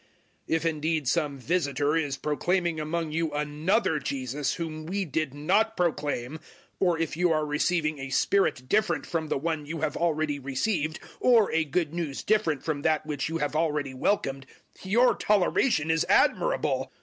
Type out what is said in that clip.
011:004 If indeed some visitor is proclaiming among you another Jesus whom we did not proclaim, or if you are receiving a Spirit different from the One you have already received or a Good News different from that which you have already welcomed, your toleration is admirable!